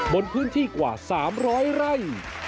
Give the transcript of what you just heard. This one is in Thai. บนพื้นที่กว่า๓๐๐ไร่